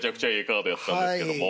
カードやったんですけども。